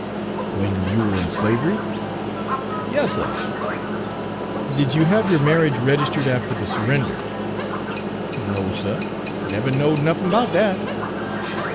"When you were in slavery?" "Yas, suh." "Did you have your marriage registered after the surrender?" "No, suh; never knowed nuffin' 'bout dat."